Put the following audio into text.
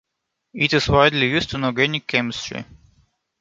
It is widely used in organic chemistry.